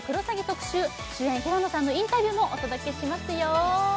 特集主演平野さんのインタビューもお届けしますよ